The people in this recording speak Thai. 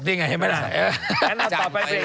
ที่ไหนเมื่อไหร่